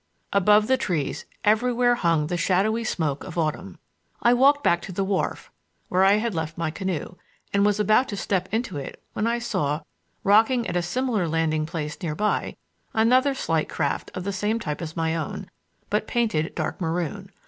Above the trees everywhere hung the shadowy smoke of autumn. I walked back to the wharf, where I had left my canoe, and was about to step into it when I saw, rocking at a similar landing place near by, another slight craft of the same type as my own, but painted dark maroon.